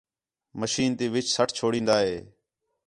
مشین تی وِچ سٹ چھوڑین٘دا ہِے